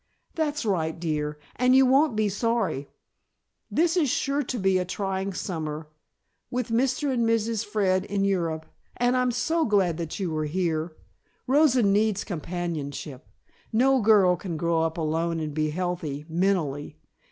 "That's right, dear, and you won't be sorry. This is sure to be a trying summer, with Mr. and Mrs. Fred in Europe, and I'm so glad that you are here. Rosa needs companionship. No girl can grow up alone and be healthy, mentally.